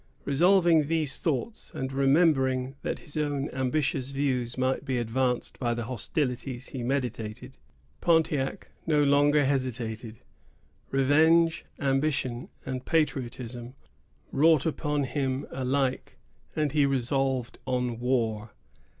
Revolving these thoughts, and remembering that his own ambitious views might be advanced by the hostilities he meditated, Pontiac no longer hesitated. Revenge, ambition, and patriotism wrought upon him alike, and he resolved on war.